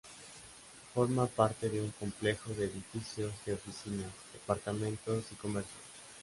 Forma parte de un complejo de edificios de oficinas, departamentos y comercio.